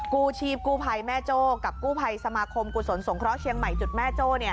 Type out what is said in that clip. กู้ชีพกู้ภัยแม่โจ้กับกู้ภัยสมาคมกุศลสงเคราะห์เชียงใหม่จุดแม่โจ้